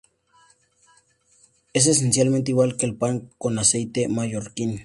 Es esencialmente igual que el pan con aceite mallorquín.